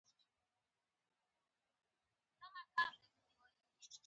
افغانستان له بېلابېلو او بډایه ښارونو څخه ډک دی.